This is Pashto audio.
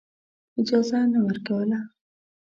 اجازه نه ورکوله.